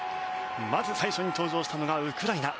まず最初に登場したのがウクライナ。